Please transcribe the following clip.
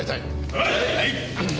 はい！